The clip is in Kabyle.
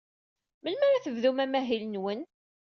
Melmi ara tebdum amahil-nwen?